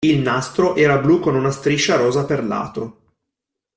Il "nastro" era blu con una striscia rosa per lato.